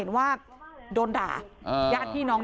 ถ้าคุณอยากเลี่ยง